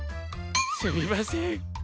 すみません。